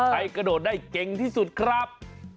กระโดดได้เก่งที่สุดครับ